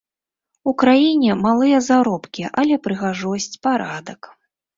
У краіне малыя заробкі, але прыгажосць, парадак.